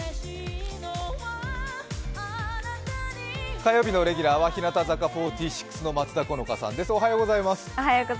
火曜日のレギュラーは日向坂４６の松田好花さんです。